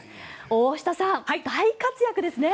大下さん、大活躍ですね。